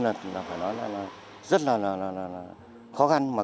phải nói là rất là khó khăn mà công chí đã giữ được nhiều năm nay